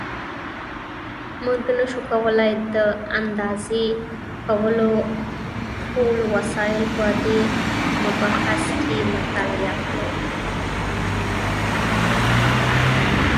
مونږ نشو کولای د اندازه کولو ټول وسایل په دې مبحث کې مطالعه کړو.